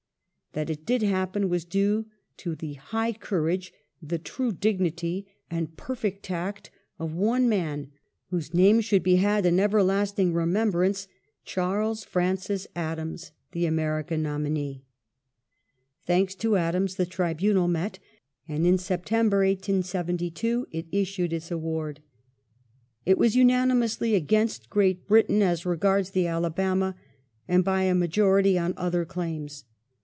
That it did happen was due to the high courage, the true dignity and perfect tact of one man, whose name should be had in everlasting remembrance, Charles Francis Adams, the American nominee. Thanks to Adams the tribunal met, and in September, 1872, if issued its award. It was unanimously against Great Britain as regards the Alabama, and, by a majority, on other claims.